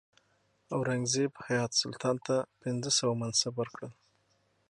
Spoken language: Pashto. اورنګزیب حیات سلطان ته پنځه سوه منصب ورکړ.